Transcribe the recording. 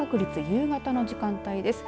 夕方の時間帯です。